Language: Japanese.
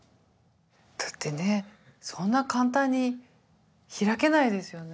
だってねそんな簡単に開けないですよね。